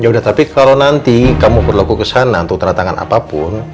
yaudah tapi kalau nanti kamu perlu aku kesana untuk ternyata apapun